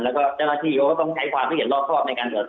แล้วก็เจ้าหน้าที่เดียวก็ต้องใช้ความละเอียดรอบข้อในการเดินสอบ